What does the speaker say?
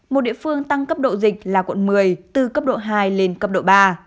một địa phương tăng cấp độ dịch là quận một mươi từ cấp độ hai lên cấp độ ba